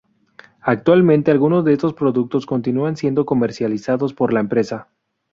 Actualmente algunos de estos productos continúan siendo comercializados por la empresa.